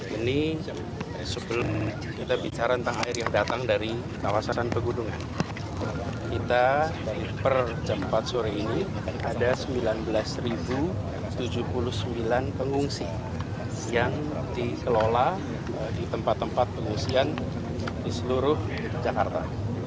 ini sebelum kita bicara tentang air yang datang dari kawasan pegunungan kita per jam empat sore ini ada sembilan belas tujuh puluh sembilan pengungsi yang dikelola di tempat tempat pengungsian di seluruh jakarta